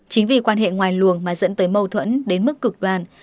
chính vì quan hệ ngoài luồng mà dẫn tới mâu thuẫn đến mức cực đoàn